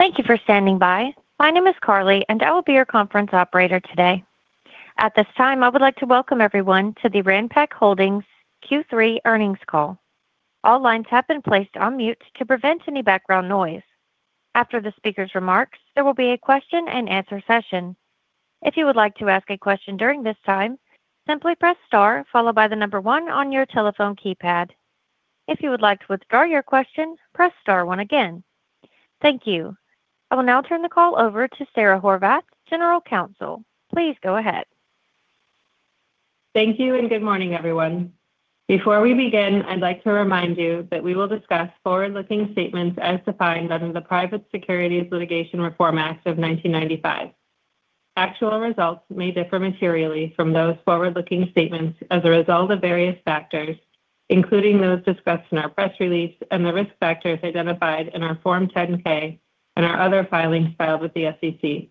Thank you for standing by. My name is Carly and I will be your conference operator today. At this time, I would like to welcome everyone to the Ranpak Holdings Q3 Earnings Call. All lines have been placed on mute to prevent any background noise. After the speaker's remarks, there will be a question and answer session. If you would like to ask a question during this time, simply press star followed by the number one on your telephone keypad. If you would like to withdraw your question, press star one again. Thank you. I will now turn the call over to Sara Horvath, General Counsel. Please go ahead. Thank you and good morning everyone. Before we begin, I'd like to remind you that we will discuss forward-looking statements as defined under the Private Securities Litigation Reform Act of 1995. Actual results may differ materially from those forward-looking statements as a result of various factors, including those discussed in our press release and the risk factors identified in our Form 10-K and our other filings filed with the SEC.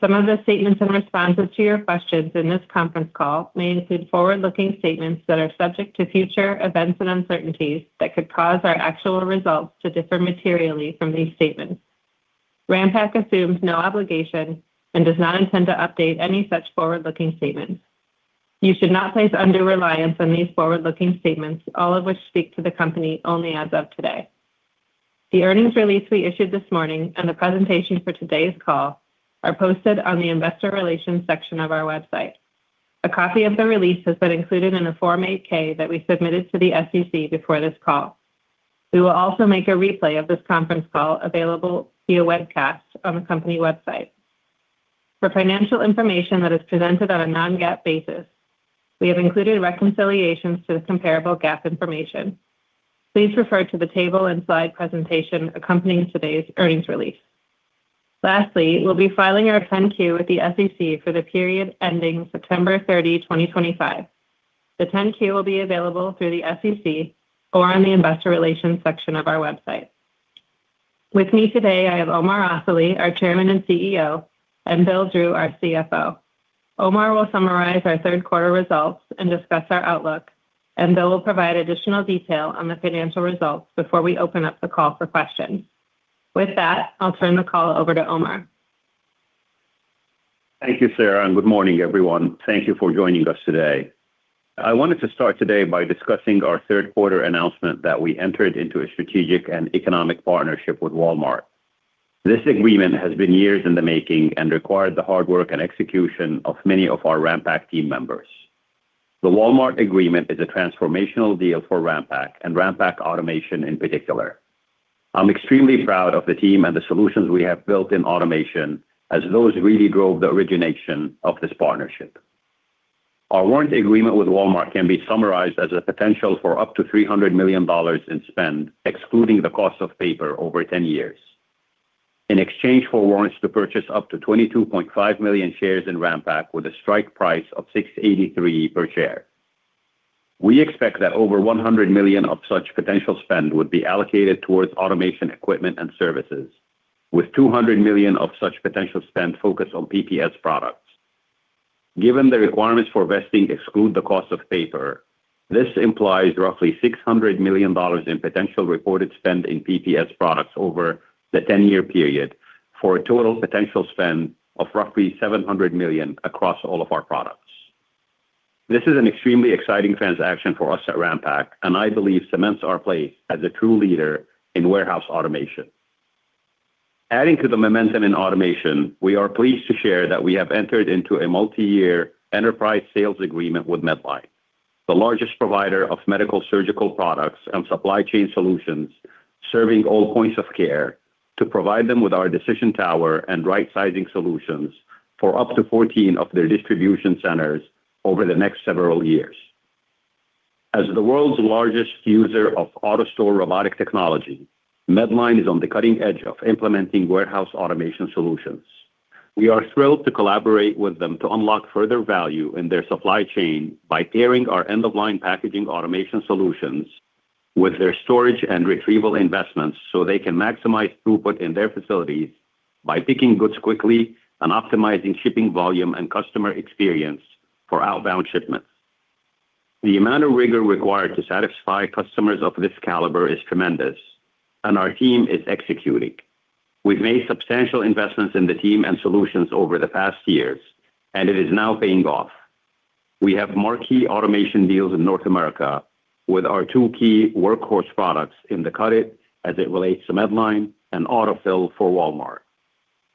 Some of the statements and responses to your questions in this conference call may include forward-looking statements that are subject to future events and uncertainties that could cause our actual results to differ materially from these statements. Ranpak assumes no obligation and does not intend to update any such forward-looking statements. You should not place undue reliance on these forward-looking statements, all of which speak to the company only as of today. The earnings release we issued this morning and the presentation for today's call are posted on the Investor Relations section of our website. A copy of the release has been included in a Form 8-K that we submitted to the SEC before this call. We will also make a replay of this conference call available via webcast on the company website. For financial information that is presented on a non-GAAP basis, we have included reconciliations to the comparable GAAP information. Please refer to the table and slide presentation accompanying today's earnings release. Lastly, we'll be filing our 10-Q with the SEC for the period ending September 30, 2025. The 10-Q will be available through the SEC or on the Investor Relations section of our website. With me today, I have Omar Asali, our Chairman and CEO, and Bill Drew, our CFO. Omar will summarize our third quarter results and discuss our outlook. Bill will provide additional detail on the financial results before we open up the call for questions. With that, I'll turn the call over to Omar. Thank you, Sara, and good morning everyone. Thank you for joining us today. I wanted to start today by discussing our third quarter announcement that we entered into a strategic and economic partnership with Walmart. This agreement has been years in the making and required the hard work and execution of many of our Ranpak team members. The Walmart agreement is a transformational deal for Ranpak and Ranpak Automation in particular. I'm extremely proud of the team and the solutions we have built in automation as those really drove the origination of this partnership. Our warranty agreement with Walmart can be summarized as a potential for up to $300 million in spend excluding the cost of paper over 10 years in exchange for warrants to purchase up to 22.5 million shares in Ranpak with a strike price of $6.83 per share. We expect that over $100 million of such potential spend would be allocated towards automation equipment and services with $200 million of such potential spend focused on PPS products. Given the requirements for vesting exclude the cost of paper, this implies roughly $600 million in potential reported spend in PPS products over the 10 year period for a total potential spend of roughly $700 million across all of our products. This is an extremely exciting transaction for us at Ranpak and I believe cements our place as a true leader in warehouse automation. Adding to the momentum in automation, we are pleased to share that we have entered into a multi-year enterprise sales agreement with Medline, the largest provider of medical surgical products and supply chain solutions serving all points of care to provide them with our DecisionTower and right-sizing solutions for up to 14 of their distribution centers over the next several years. As the world's largest user of autostore robotic technology, Medline is on the cutting edge of implementing warehouse automation solutions. We are thrilled to collaborate with them to unlock further value in their supply chain by pairing our end-of-line packaging automation solutions with their storage and retrieval investments so they can maximize throughput in their facilities by picking goods quickly and optimizing shipping volume and customer experience for outbound shipments. The amount of rigor required to satisfy customers of this caliber is tremendous and our team is executing. We've made substantial investments in the team and solutions over the past years and it is now paying off. We have marquee automation deals in North America with our two key workhorse products in the Cut'it! as it relates to Medline and AutoFill for Walmart.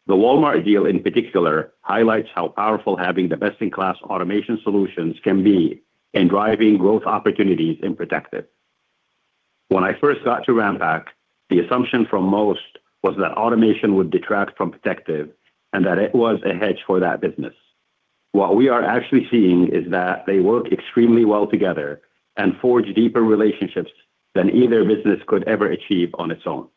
The Walmart deal in particular highlights how powerful having the best-in-class automation solutions can be in driving growth opportunities in Protective. When I first got to Ranpak the assumption from most was that automation would detract from Protective and that it was a hedge for that business. What we are actually seeing is that they work extremely well together and forge deeper relationships than either business could ever achieve on its own.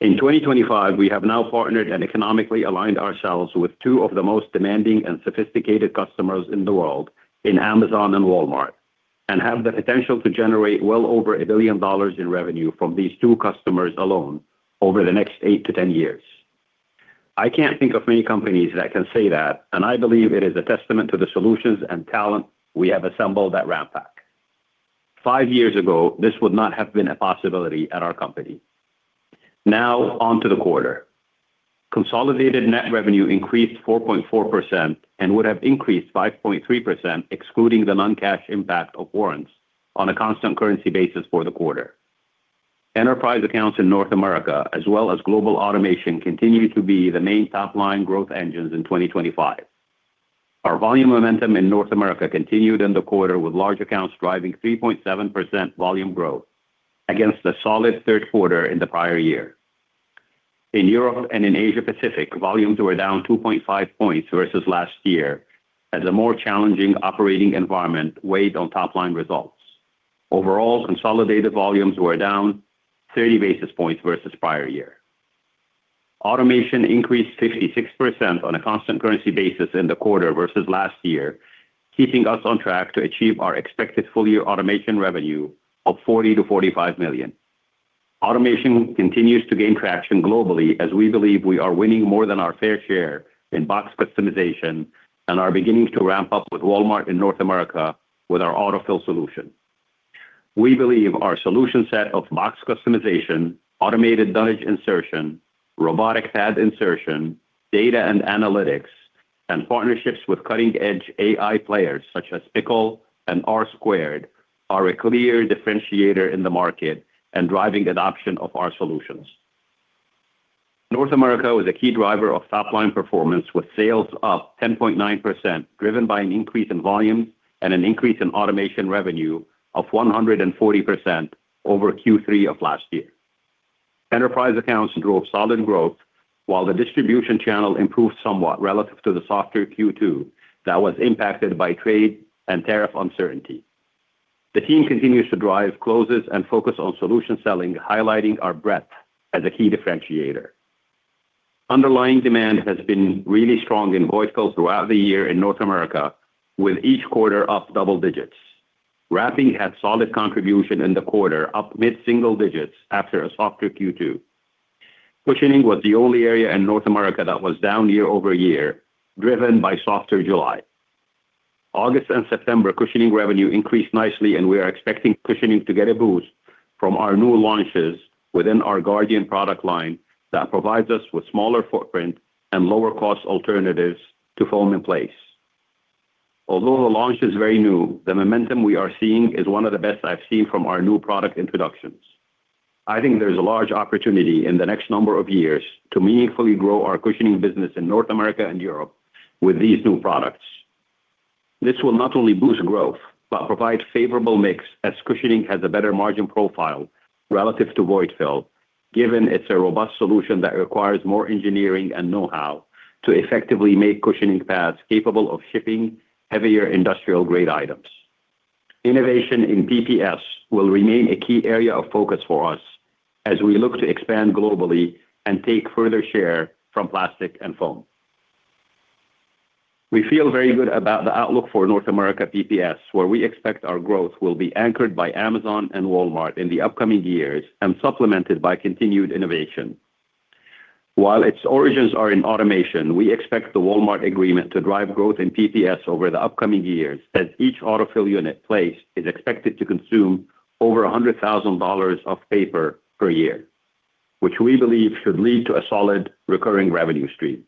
In 2025 we have now partnered and economically aligned ourselves with two of the most demanding and sophisticated customers in the world in Amazon and Walmart, and have the potential to generate well over $1 billion in revenue from these two customers alone over the next 8 years-10 years. I can't think of many companies that can say that and I believe it is a testament to the solutions and talent we have assembled at Ranpak. Five years ago this would not have been a possibility at our company. Now on to the quarter. Consolidated net revenue increased 4.4% and would have increased 5.3% excluding the non-cash impact of warrants on a constant currency basis for the quarter. Enterprise accounts in North America as well as global automation continue to be the main top-line growth engines in 2025. Our volume momentum in North America continued in the quarter with large accounts driving 3.7% volume growth against the solid third quarter in the prior year. In Europe and in Asia-Pacific volumes were down 2.5 points versus last year as a more challenging operating environment weighed on top-line results. Overall, consolidated volumes were down 30 basis points versus prior year. Automation increased 56% on a constant currency basis in the quarter versus last year, keeping us on track to achieve our expected full-year automation revenue of $40 million-$45 million. Automation continues to gain traction globally as we believe we are winning more than our fair share in box customization and are beginning to ramp up with Walmart in North America with our AutoFill solution. We believe our solution set of box customization, automated dunnage insertion, robotic pad insertion, data and analytics, and partnerships with cutting-edge AI players such as Pickle and R Squared are a clear differentiator in the market and driving adoption of our solutions. North America was a key driver of top line performance with sales up 10.9% driven by an increase in volumes and an increase in automation revenue of 140% over Q3 of last year. Enterprise accounts drove solid growth while the distribution channel improved somewhat relative to the softer Q2 that was impacted by trade and tariff uncertainty. The team continues to drive closes and focus on solution selling, highlighting our breadth as a key differentiator. Underlying demand has been really strong in VoiceCo throughout the year in North America with each quarter up double digits. Wrapping had solid contribution in the quarter, up mid single digits after a softer Q2. Cushioning was the only area in North America that was down year-over-year, driven by softer July, August, and September. Cushioning revenue increased nicely and we are expecting cushioning to get a boost from our new launches within our Guardian product line that provides us with smaller footprint and lower cost alternatives to foam in place. Although the launch is very new, the momentum we are seeing is one of the best I've seen from our new product introductions. I think there is a large opportunity in the next number of years to meaningfully grow our cushioning business in North America and Europe with these new products. This will not only boost growth but provide favorable mix as cushioning has a better margin profile relative void fill given it's a robust solution that requires more engineering and know how to effectively make cushioning pads capable of shipping heavier industrial grade items. Innovation in PPS will remain a key area of focus for us as we look to expand globally and take further share from plastic and foam. We feel very good about the outlook for North America PPS where we expect our growth will be anchored by Amazon and Walmart in the upcoming years and supplemented by continued innovation while its origins are in automation. We expect the Walmart agreement to drive growth in PPS over the upcoming years as each AutoFill unit placed is expected to consume over $100,000 of paper per year, which we believe should lead to a solid recurring revenue stream.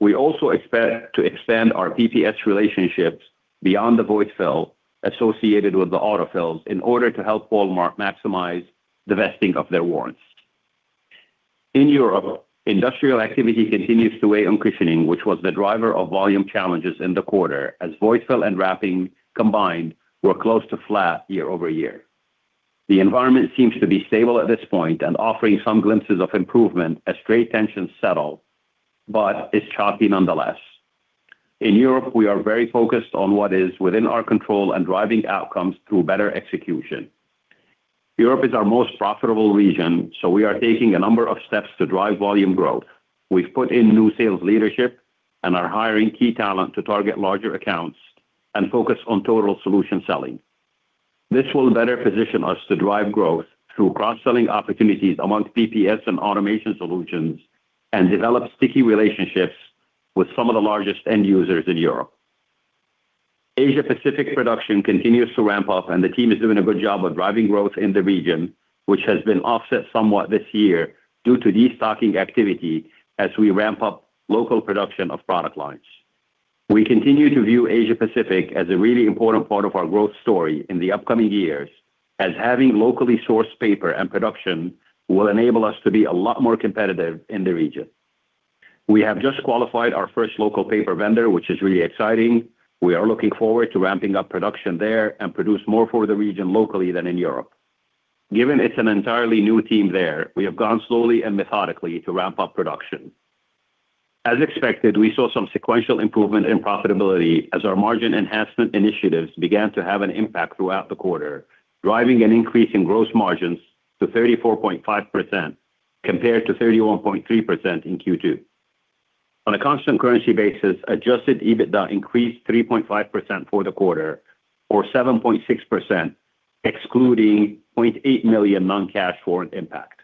We also expect to expand our PPS relationships beyond void fill associated with the AutoFills in order to help Walmart maximize the vesting of their warrants. In Europe, industrial activity continues to weigh on cushioning, which was the driver of volume challenges in the quarter void fill and wrapping combined were close to flat year-over-year. The environment seems to be stable at this point and offering some glimpses of improvement as trade tensions settle, but it's choppy nonetheless. In Europe, we are very focused on what is within our control and driving outcomes through better execution. Europe is our most profitable region, so we are taking a number of steps to drive volume growth. We've put in new sales leadership and are hiring key talent to target larger accounts and focus on total solution selling. This will better position us to drive growth through cross-selling opportunities among PPS and automation solutions and develop sticky relationships with some of the largest end users in Europe. Asia-Pacific production continues to ramp up and the team is doing a good job of driving growth in the region, which has been offset somewhat this year due to destocking activity as we ramp up local production of product lines. We continue to view Asia-Pacific as a really important part of our growth story in the upcoming years as having locally sourced paper and production will enable us to be a lot more competitive in the region. We have just qualified our first local paper vendor, which is really exciting. We are looking forward to ramping up production there and produce more for the region locally than in Europe given it's an entirely new team there. We have gone slowly and methodically to ramp up production as expected. We saw some sequential improvement in profitability as our margin enhancement initiatives began to have an impact throughout the quarter, driving an increase in gross margins to 34.5% compared to 31.3% in Q2 on a constant currency basis. Adjusted EBITDA increased 3.5% for the quarter or 7.6% excluding $0.8 million non-cash foreign impact.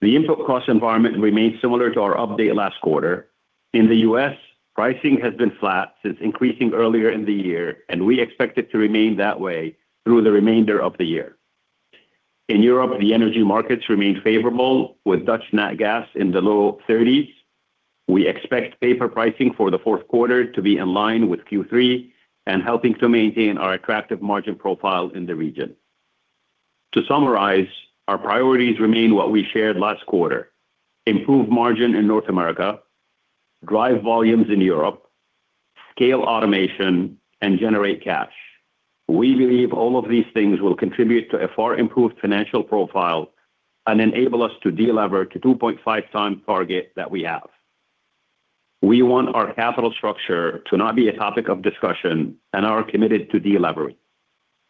The input cost environment remains similar to our update last quarter. In the U.S., pricing has been flat since increasing earlier in the year and we expect it to remain that way through the remainder of the year. In Europe, the energy markets remain favorable with Dutch Nat Gas in the low $30s. We expect paper pricing for the fourth quarter to be in line with Q3 and helping to maintain our attractive margin profile in the region. To summarize, our priorities remain what we shared last quarter: improve margin in North America, drive volumes in Europe, scale automation, and generate cash. We believe all of these things will contribute to a far improved financial profile and enable us to delever to 2.5x target that we have. We want our capital structure to not be a topic of discussion and are committed to delevering.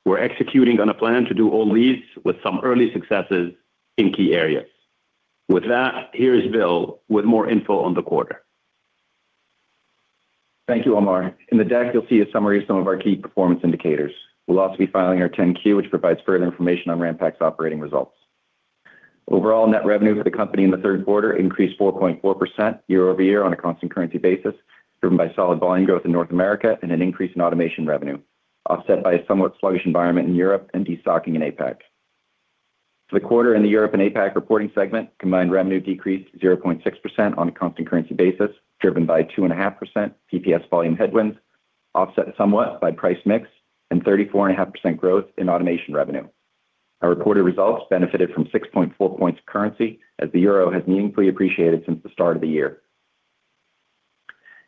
We're executing on a plan to do all these with some early successes in key areas. With that, here is Bill with more info on the quarter. Thank you, Omar. In the deck you'll see a summary of some of our key performance indicators. We'll also be filing our 10-Q which provides further information on Ranpak's operating results. Overall net revenue for the company in the third quarter increased 4.4% year-over-year on a constant currency basis, driven by solid volume growth in North America and an increase in automation revenue, offset by a somewhat sluggish environment in Europe and destocking in APAC for the quarter. In the Europe and APAC reporting segment, combined revenue decreased 0.6% on a constant currency basis, driven by 2.5% PPS volume headwinds, offset somewhat by price mix and 34.5% growth in automation revenue. Our reported results benefited from 6.4 points of currency as the Euro has meaningfully appreciated since the start of the year.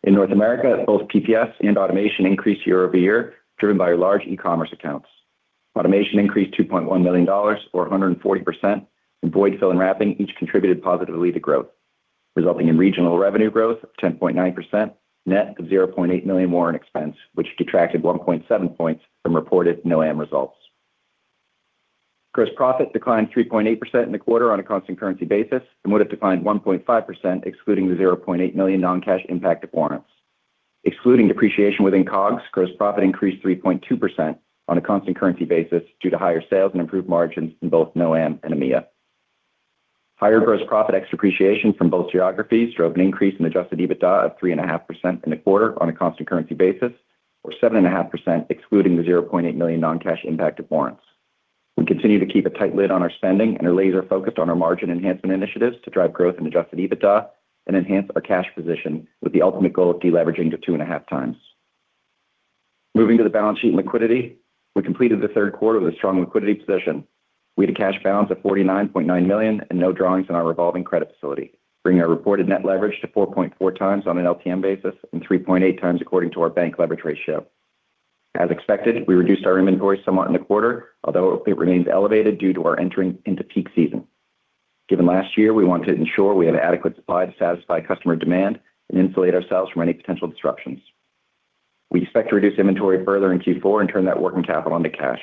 In North America, both PPS and automation increased year-over-year, driven by large e-commerce accounts. Automation increased $2.1 million or 140%, void fill and wrapping each contributed positively to growth, resulting in regional revenue growth of 10.9% net of $0.8 million more in expense, which detracted 1.7 points from reported NorAm results. Gross profit declined 3.8% in the quarter on a constant currency basis and would have declined 1.5% excluding the $0.8 million non-cash impact of warrants, excluding depreciation within COGS. Gross profit increased 3.2% on a constant currency basis due to higher sales and improved margins in both NorAm and EMEA. Higher gross profit excluding depreciation from both geographies drove an increase in adjusted EBITDA of 3.5% in the quarter on a constant currency basis or 7.5% excluding the $0.8 million non-cash impact of warrants. We continue to keep a tight lid on our spending and are laser focused on our margin enhancement initiatives to drive growth in adjusted EBITDA and enhance our cash position with the ultimate goal of deleveraging to 2.5x. Moving to the balance sheet and liquidity, we completed the third quarter with a strong liquidity position. We had a cash balance of $49.9 million and no drawings in our revolving credit facility, bringing our reported net leverage to 4.4x on an LTM basis and 3.8x according to our bank leverage ratio. As expected, we reduced our inventory somewhat in the quarter, although it remains elevated due to our entering into peak season. Given last year, we want to ensure we have adequate supply to satisfy customer demand and insulate ourselves from any potential disruptions. We expect to reduce inventory further in Q4 and turn that working capital into cash.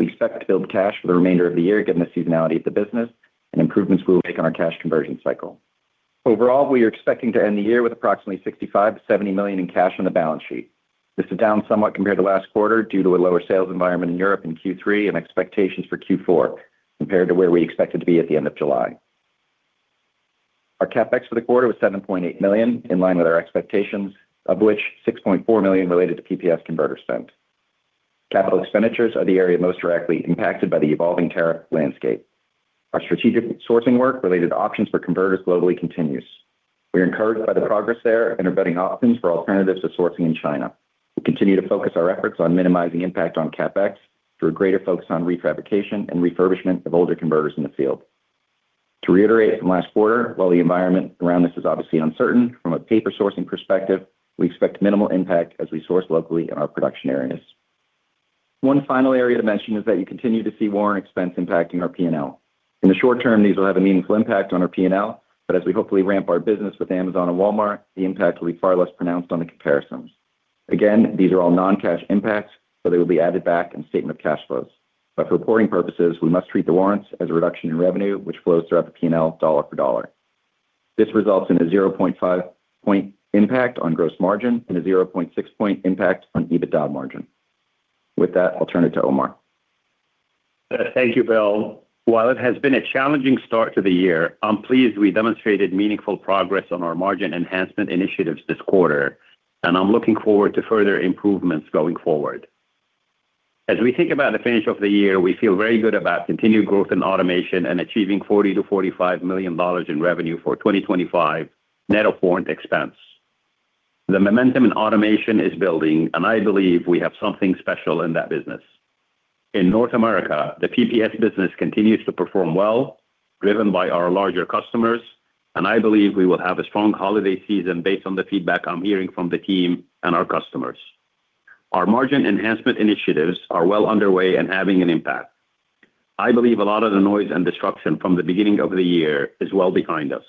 We expect to build cash for the remainder of the year given the seasonality of the business and improvements we will make on our cash conversion cycle. Overall, we are expecting to end the year with approximately $65 million-$70 million in cash on the balance sheet. This is down somewhat compared to last quarter due to a lower sales environment in Europe in Q3 and expectations for Q4 compared to where we expected to be at the end of July. Our CapEx for the quarter was $7.8 million in line with our expectations, of which $6.4 million related to PPS converter spend. Capital expenditures are the area most directly impacted by the evolving tariff landscape. Our strategic sourcing work related to options for converters globally continues. We're encouraged by the progress there in fermenting options for alternatives to sourcing in China. We continue to focus our efforts on minimizing impact on CapEx through a greater focus on refabrication and refurbishment of older converters in the field. To reiterate from last quarter, while the environment around this is obviously uncertain from a paper sourcing perspective, we expect minimal impact as we source locally in our production areas. One final area to mention is that you continue to see warrant expense impacting our P&L. In the short term, these will have a meaningful impact on our P&L, but as we hopefully ramp our business with Amazon and Walmart, the impact will be far less pronounced on the comparisons. Again, these are all non-cash impacts, but they will be added back in the statement of cash flows. For reporting purposes, we must treat the warrants as a reduction in revenue, which flows throughout the P&L dollar for dollar. This results in a 0.5 point impact on gross margin and a 0.6 point impact on EBITDA margin. With that, I'll turn it to Omar. Thank you, Bill. While it has been a challenging start to the year, I'm pleased we demonstrated meaningful progress on our margin enhancement initiatives this quarter, and I'm looking forward to further improvements going forward. As we think about the finish of the year, we feel very good about continued growth in automation and achieving $40 million-$45 million in revenue for 2025 net affordance expense. The momentum in automation is building, and I believe we have something special in that business. In North America the PPS business continues to perform well, driven by our larger customers, and I believe we will have a strong holiday season based on the feedback I'm hearing from the team and our customers. Our margin enhancement initiatives are well underway and having an impact. I believe a lot of the noise and disruption from the beginning of the year is well behind us.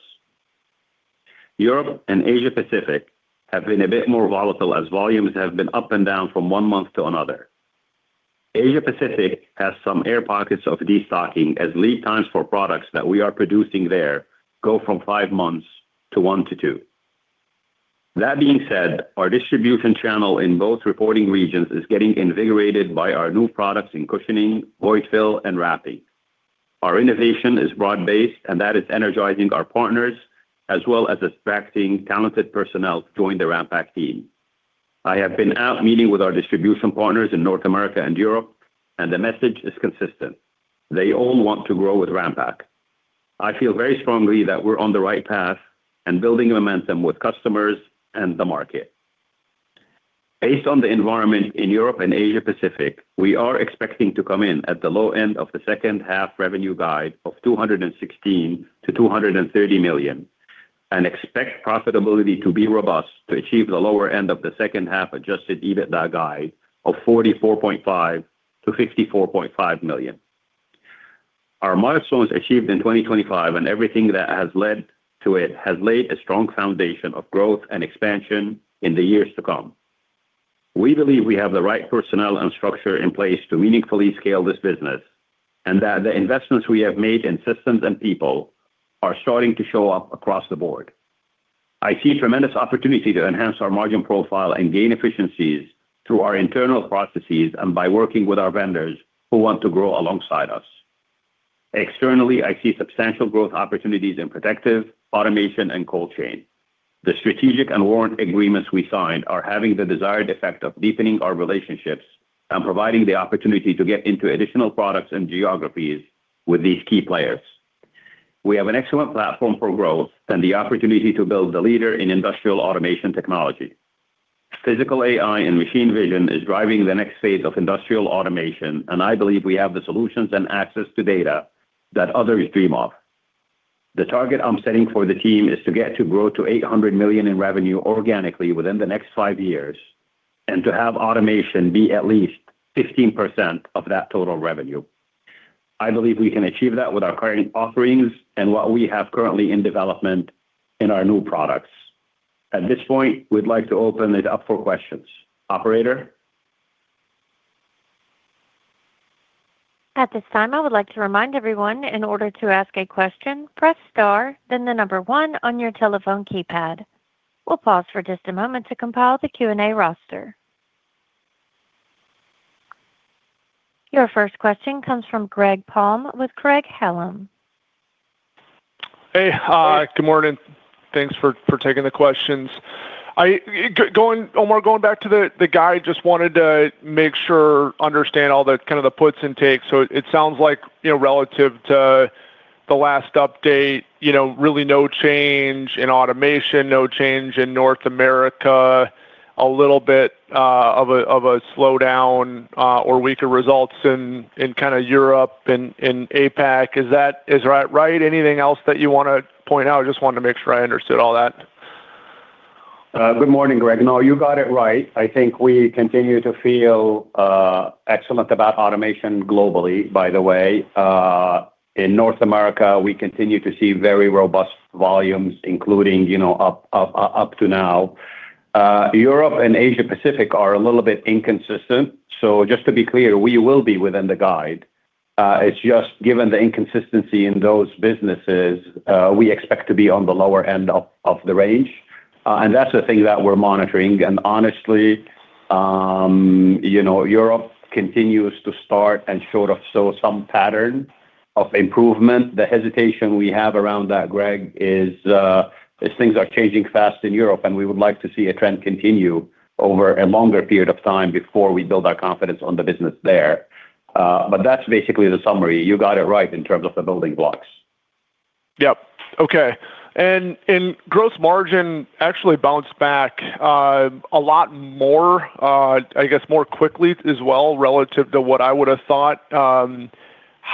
Europe and Asia-Pacific have been a bit more volatile as volumes have been up and down from one month to another. Asia-Pacific has some air pockets of destocking as lead times for products that we are producing there go from five months to one to two. That being said, our distribution channel in both reporting regions is getting invigorated by our new products in cushioning, void fill, and wrapping. Our innovation is broad based, and that is energizing our partners as well as attracting talented personnel to join the Ranpak team. I have been out meeting with our distribution partners in North America and Europe, and the message is consistent. They all want to grow with Ranpak. I feel very strongly that we're on the right path and building momentum with customers and the market based on the environment. In Europe and Asia-Pacific, we are expecting to come in at the low end of the second half revenue guide of $216 million-$230 million and expect profitability to be robust to achieve the lower end of the second half adjusted EBITDA guide of $44.5 million-$54.5 million. Our milestones achieved in 2025 and everything that has led to it has laid a strong foundation of growth and expansion in the years to come. We believe we have the right personnel and structure in place to meaningfully scale this business and that the investments we have made in systems and people are starting to show up across the board. I see tremendous opportunity to enhance our margin profile and gain efficiencies through our internal processes and by working with our vendors who want to grow alongside us. Externally, I see substantial growth opportunities in protective, automation and cold chain. The strategic and warrant agreements we signed are having the desired effect of deepening our relationships and providing the opportunity to get into additional products and geographies. With these key players, we have an excellent platform for growth and the opportunity to build. The leader in industrial automation technology, physical AI, and machine vision is driving the next phase of industrial automation, and I believe we have the solutions and access to data that others dream of. The target I'm setting for the team is to grow to $800 million in revenue organically within the next five years and to have automation be at least 15% of that total revenue. I believe we can achieve that with our current offerings and what we have currently in development in our new products. At this point, we'd like to open it up for questions. Operator. At this time I would like to remind everyone, in order to ask a question, press star, then the number one on your telephone keypad. We'll pause for just a moment to compile the Q&A roster. Your first question comes from Greg Palm with Craig-Hallum. Hey, good morning. Thanks for taking the questions, Omar. Going back to the guy, just wanted to make sure I understand all the kind of the puts and takes. It sounds like, you know, relative to the last update, you know, really no change in automation, no change in North America, a little bit of a slowdown or weaker results in kind of Europe and in APAC. Is that right? Anything else that you want to point out? I just wanted to make sure I understood all that. Good morning, Greg. No, you got it right. I think we continue to feel excellent about automation globally. By the way, in North America we continue to see very robust volumes, including up to now. Europe and Asia-Pacific are a little bit inconsistent, so just to be clear, we will be within the guide. It's just given the inconsistency in those businesses, we expect to be on the lower end of the range. That's the thing that we're monitoring. Honestly, Europe continues to start and sort of show some pattern of improvement. The hesitation we have around that, Greg, is things are changing fast in Europe, and we would like to see a trend continue over a longer period of time before we build our confidence on the business there. That's basically the summary. You got it right in terms of the building blocks. Okay. Gross margin actually bounced back a lot more, I guess more quickly as well, relative to what I would have thought.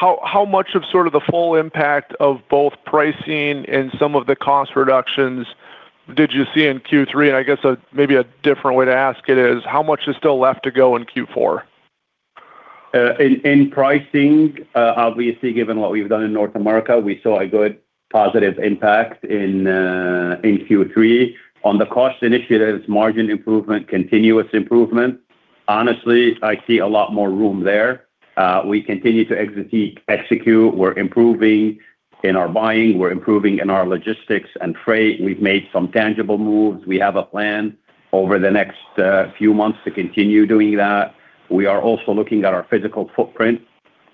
How much of sort of the full impact of both pricing and some of the cost reductions did you see in Q3? I guess maybe a different way to ask it is how much is still left to go in Q4. In pricing. Obviously, given what we've done in North America, we saw a good positive impact in Q3 on the cost initiatives, margin improvement, continuous improvement. Honestly, I see a lot more room there. We continue to execute. We're improving in our buying, we're improving in our logistics and freight. We've made some tangible moves. We have a plan over the next few months to continue doing that. We are also looking at our physical footprint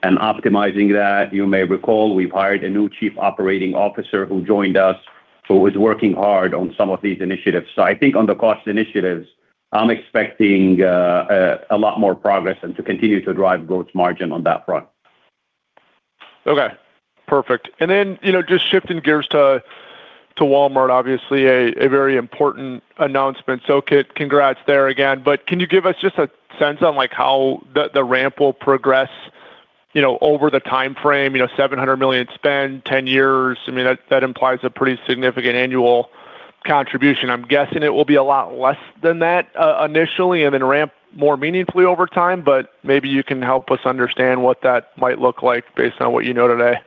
and optimizing that. You may recall we've hired a new Chief Operating Officer who joined us who is working hard on some of these initiatives. I think on the cost initiatives, I'm expecting a lot more progress and to continue to drive gross margin on that front. Okay, perfect. Just shifting gears to Walmart, obviously a very important announcement. Congrats there again. Can you give us just a sense on how the ramp will progress over the time frame? $700 million spend, 10 years. That implies a pretty significant annual contribution. I'm guessing it will be a lot less than that initially and then ramp more meaningfully over time. Maybe you can help us understand what that might look like based on what you know today.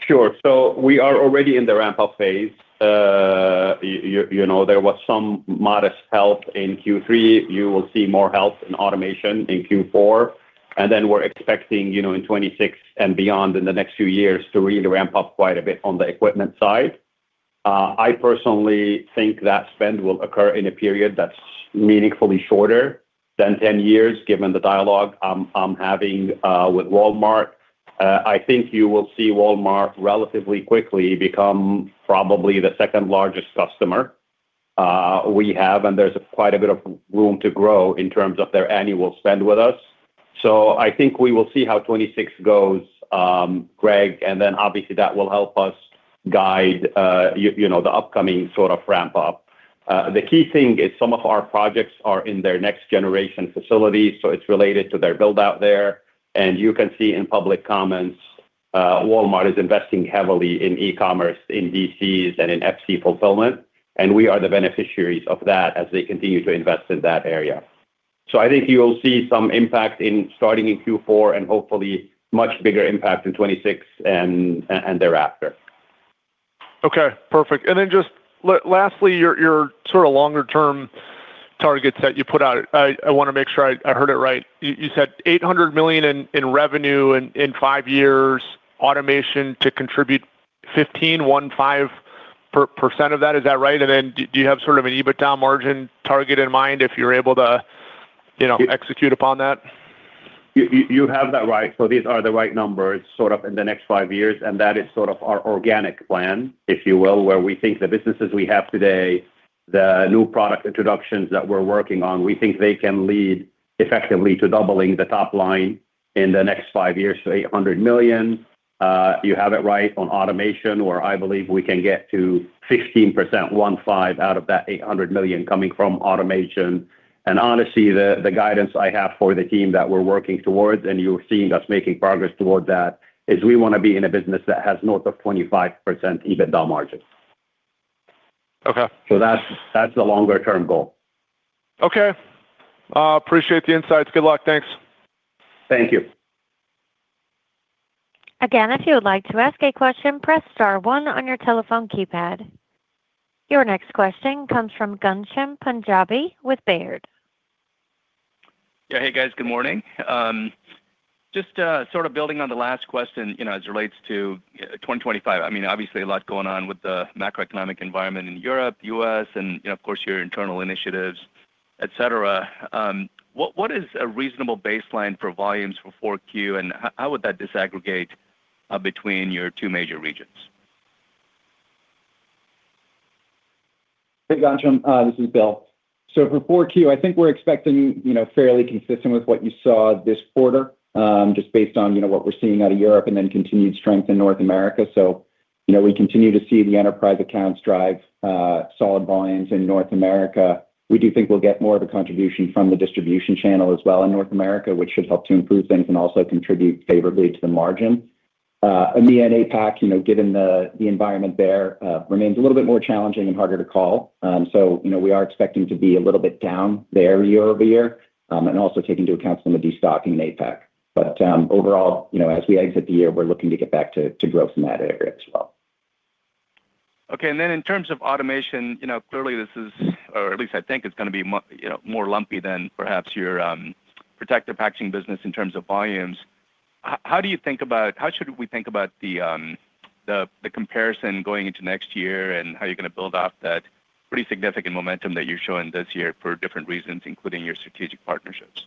Sure. We are already in the ramp up phase. There was some modest help in Q3. You will see more help in automation in Q4. We are expecting in 2026 and beyond in the next few years to really ramp up quite a bit on the equipment side. I personally think that spend will occur in a period that's meaningfully shorter than 10 years. Given the dialogue I'm having with Walmart, I think you will see Walmart relatively quickly become probably the second largest customer we have and there's quite a bit of room to grow in terms of their annual spend with us. I think we will see how 2026 goes, Greg, and obviously that will help us guide the upcoming sort of ramp up. The key thing is some of our projects are in their next generation facilities, so it's related to their build out there. You can see in public comments, Walmart is investing heavily in e-commerce, in DCs and in FC fulfillment and we are the beneficiaries of that as they continue to invest in that area. I think you'll see some impact starting in Q4 and hopefully much bigger impact in 2026 and thereafter. Okay, perfect. Lastly, your sort of longer term targets that you put out, I want to make sure I heard it right. You said $800 million in revenue in five years, automation to contribute 15% of that, is that right? Do you have sort of an EBITDA margin target in mind if you're able to, you know, execute upon that? You have that right. These are the right numbers in the next five years. That is our organic plan, if you will, where we think the businesses we have today and the new product introductions that we're working on can lead effectively to doubling the top line in the next five years to $800 million. You have it right on automation, where I believe we can get to 15% out of that $800 million coming from automation. Honestly, the guidance I have for the team that we're working towards, and you're seeing us making progress toward that, is we want to be in a business that has north of 25% EBITDA margin. That's the longer term goal. Okay, appreciate the insights. Good luck. Thanks. Thank you. Again, if you would like to ask a question, press star one on your telephone keypad. Your next question comes from Ghansham Panjabi with Baird. Yeah. Hey guys, good morning. Just sort of building on the last question, you know, as relates to 2025. I mean obviously a lot going on with the macroeconomic environment in Europe, U.S. and you know, of course your internal initiatives, etc. What is a reasonable baseline for volumes for 4Q and how would that disaggregate between your two major regions? Hey Ghansham, this is Bill. For 4Q, I think we're expecting fairly consistent with what you saw this quarter just based on what we're seeing out of Europe and then continued strength in North America. We continue to see the enterprise accounts drive solid volumes in North America. We do think we'll get more of a contribution from the distribution channel as well in North America, which should help to improve things and also contribute favorably to the margin. EMEA and APAC, given the environment there, remains a little bit more challenging and harder to call. We are expecting to be a little bit down there year-over-year and also take into account some destocking in APAC. Overall, as we exit the year, we're looking to get back to growth in that area as well. Okay. In terms of automation, clearly, this is, or at least I think it's going to be more lumpy than perhaps your protective packaging business in terms of volumes. How do you think about, how should we think about the comparison going into next year and how you're going to build off that pretty significant momentum that you're showing this year for different reasons, including your strategic partnerships?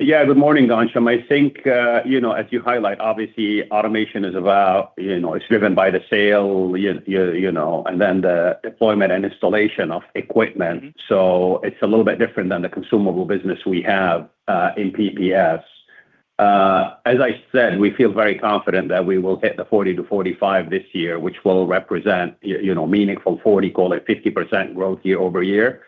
Yeah, good morning, Ghansham. I think, you know, as you highlight, obviously automation is about, you know, it's driven by the sale, you know, and then the deployment and installation of equipment. It's a little bit different than the consumable business we have in PPS. As I said, we feel very confident that we will hit the $40 million-$45 million this year which will represent, you know, meaningful 40%, call it 50% growth year-over-year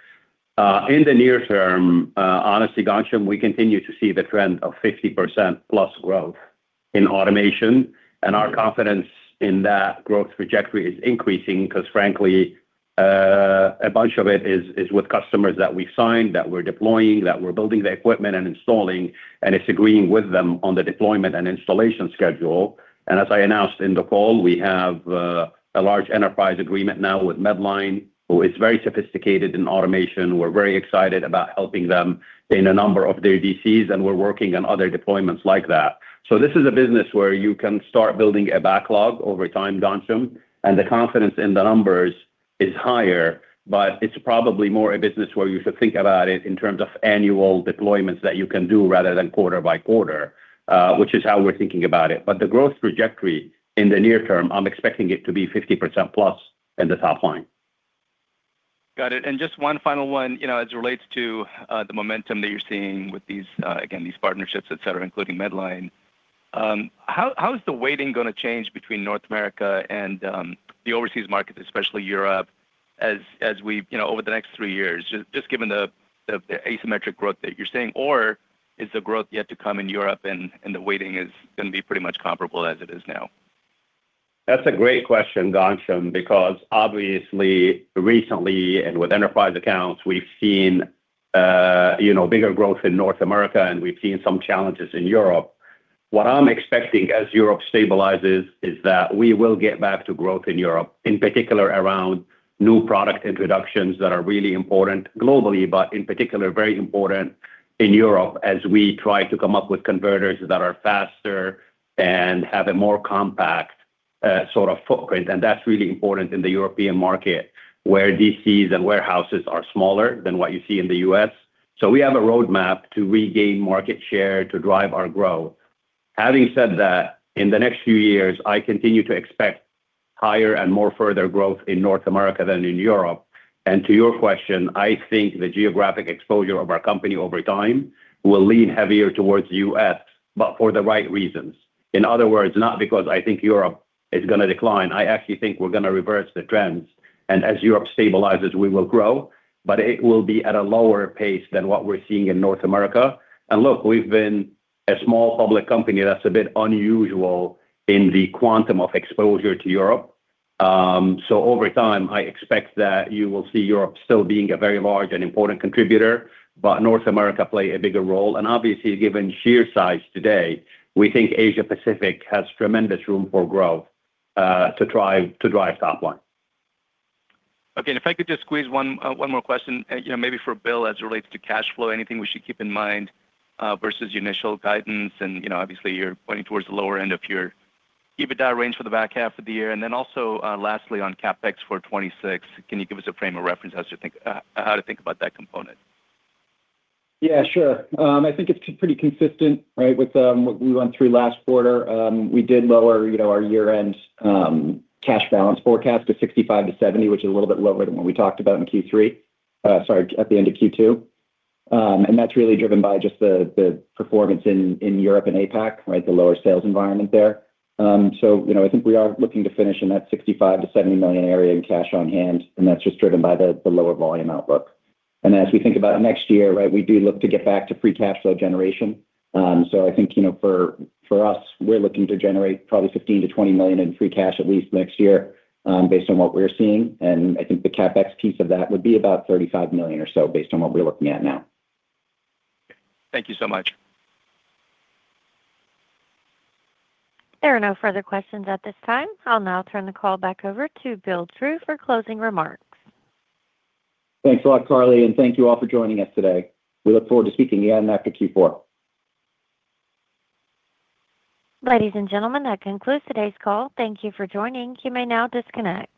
in the near term, honestly. Ghansham, we continue to see the trend of 50%+ growth in automation and our confidence in that growth trajectory is increasing because frankly a bunch of it is with customers that we signed, that we're deploying, that we're building the equipment and installing and it's agreeing with them on the deployment and installation schedule. As I announced in the call, we have a large enterprise agreement now with Medline who is very sophisticated in automation. We're very excited about helping them in a number of their DCs and we're working on other deployments like that. This is a business where you can start building a backlog over time Ghansham, and the confidence in the numbers is higher. It's probably more a business where you should think about it in terms of annual deployments that you can do rather than quarter by quarter, which is how we're thinking about it. The growth trajectory in the near term, I'm expecting it to be 50%+ in the top line. Got it. Just one final one, you know, as it relates to the momentum that you're seeing with these, again, these partnerships, etc. including Medline. How is the weighting going to change between North America and the overseas market, especially Europe, as we, you know, over the next three years, just given the asymmetric growth that you're seeing, or is the growth yet to come in Europe and the weighting is going to be pretty much comparable as it is now? That's a great question, Ghansham, because obviously recently and with enterprise accounts, we've seen bigger growth in North America and we've seen some challenges in Europe. What I'm expecting as Europe stabilizes is that we will get back to growth in Europe, in particular around new product introductions that are really important globally, but in particular very important in Europe as we try to come up with converters that are faster and have a more compact sort of footprint. That's really important in the European market where DCs and warehouses are smaller than what you see in the U.S. We have a roadmap to regain market share to drive our growth. Having said that, in the next few years, I continue to expect higher and more further growth in North America than in Europe. To your question, I think the geographic exposure of our company over time will lean heavier towards the U.S., but for the right reasons. In other words, not because I think Europe is going to decline. I actually think we're going to reverse the trends and as Europe stabilizes, we will grow, but it will be at a lower pace than what we're seeing in North America. We've been a small public company. That's a bit unusual in the quantum of exposure to Europe. Over time I expect that you will see Europe still being a very large and important contributor, but North America play a bigger role and obviously given sheer size today, we think Asia-Pacific has tremendous room for growth to try to drive top line. Okay, and if I could just squeeze one more question, maybe for Bill as it relates to cash flow, anything we should keep in mind versus your initial guidance and obviously you're pointing towards the lower end of your EBITDA range for the back half of the year. Also, lastly on CapEx for 2026, can you give us a frame of reference as you think, how to think about that component? Yeah, sure. I think it's pretty consistent, right, with what we went through last quarter. We did lower our year-end cash balance forecast to $65 million-$70 million, which is a little bit lower than what we talked about in Q3, sorry, at the end of Q2. That's really driven by just the performance in Europe and APAC, right, the lower sales environment there. I think we are looking to finish in that $65 million-$70 million area in cash on hand, and that's just driven by the lower volume outlook. As we think about next year, right, we do look to get back to free cash flow generation. I think, for us, we're looking to generate probably $15 million-$20 million in free cash at least next year based on what we're seeing. I think the CapEx piece of that would be about $35 million or so based on what we're looking at now. Thank you so much. There are no further questions at this time. I'll now turn the call back over to Bill Drew for closing remarks. Thanks a lot, Carly, and thank you all for joining us today. We look forward to speaking again after Q4. Ladies and gentlemen, that concludes today's call. Thank you for joining. You may now disconnect.